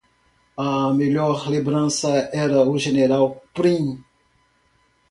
A melhor lembrança era o General Prim.